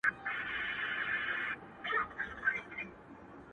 تا له وجوده روح ته څو دانې پوښونه جوړ کړل”